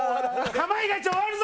『かまいガチ』終わるぞ！